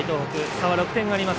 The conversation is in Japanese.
差は６点あります。